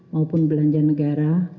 maupun belanja negara